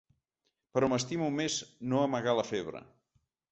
Però m’estimo més no amagar la febre.